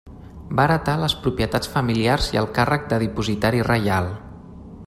Va heretar les propietats familiars i el càrrec de dipositari reial.